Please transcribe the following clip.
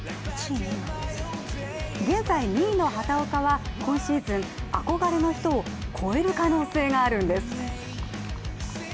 現在２位の畑岡は今シーズン憧れの人を超える可能性があるんです。